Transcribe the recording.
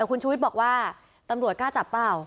คุณชูวิทย์บอกว่าตำรวจกล้าจับเปล่า